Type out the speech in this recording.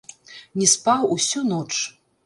Не спаў усю ноч.